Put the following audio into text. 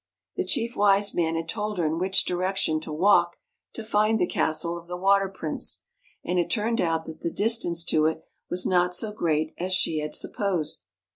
The Chief Wise Man had told her in which direction to walk to find the castle of the Water Prince, and it turned out that the distance to it was not so great as she had supposed.